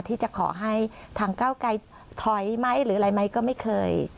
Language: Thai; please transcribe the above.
ที่จะขอให้ทางก้าวไกรถอยไหมหรืออะไรไหมก็ไม่เคย